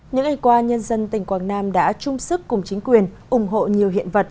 những ngày qua nhân dân tỉnh quảng nam đã chung sức cùng chính quyền ủng hộ nhiều hiện vật